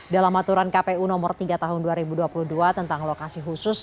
dalam aturan kpu nomor tiga tahun dua ribu dua puluh dua tentang lokasi khusus